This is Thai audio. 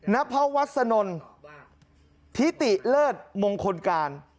นพวัสนลทิติเลิศมงคลการ